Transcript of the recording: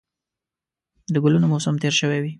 د ګلونو موسم تېر شوی وي